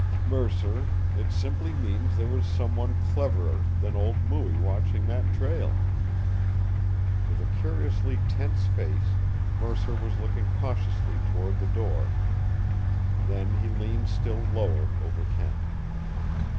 "Mercer, it simply means there was some one cleverer than old Mooie watching that trail." With a curiously tense face Mercer was looking cautiously toward the door. Then he leaned still lower over Kent.